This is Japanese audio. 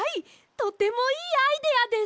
とてもいいアイデアです！